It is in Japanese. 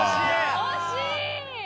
惜しい！